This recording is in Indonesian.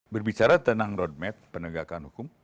berbicara tentang roadmap penegakan hukum